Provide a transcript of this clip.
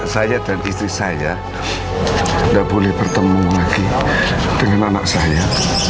saya dan istri saya tidak boleh bertemu lagi dengan anak saya